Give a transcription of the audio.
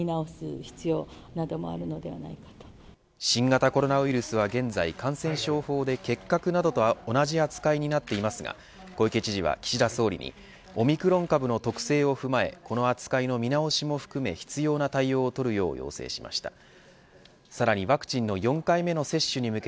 新型コロナウイルスは現在感染症法で結核などと同じ扱いになっていますが小池知事は岸田総理にオミクロン株の特性を踏まえこの扱いの見直しも含め必要な対応をとるよう要請しました。